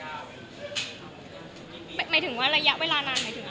อเรนนี่หมายถึงว่าเรยะเวลานานหมายถึงอะไร